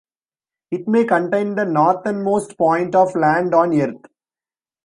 It may contain the northernmost point of land on Earth.